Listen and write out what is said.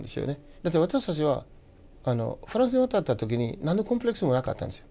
だって私たちはフランスへ渡った時になんのコンプレックスもなかったんですよ。